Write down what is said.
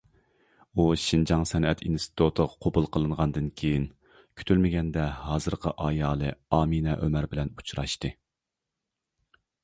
ئۇ شىنجاڭ سەنئەت ئىنستىتۇتىغا قوبۇل قىلىنغاندىن كىيىن، كۈتۈلمىگەندە ھازىرقى ئايالى ئامىنە ئۆمەر بىلەن ئۇچراشتى.